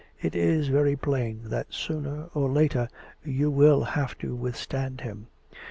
It is very plain that sooner or later you will have to withstand him.